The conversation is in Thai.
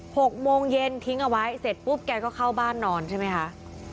หกโมงเย็นทิ้งเอาไว้เสร็จปุ๊บแกก็เข้าบ้านนอนใช่ไหมคะ